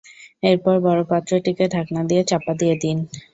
এরপর বড় পাত্রটিকে ঢাকনা দিয়ে চাপা দিয়ে দিন।